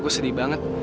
gue sedih banget